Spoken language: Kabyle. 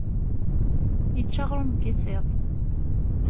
Yečča aɣrum n yisiḍ.